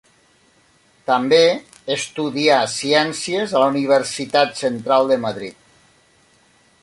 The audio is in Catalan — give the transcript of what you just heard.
També estudià ciències a la Universitat Central de Madrid.